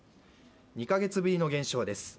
２か月ぶりの減少です。